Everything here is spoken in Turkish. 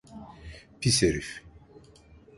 Pis herif!